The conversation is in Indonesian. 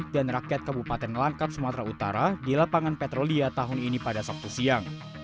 dan rakyat kabupaten langkap sumatera utara di lapangan petrolia tahun ini pada sabtu siang